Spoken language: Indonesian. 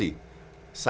itu kan sebuah prestasi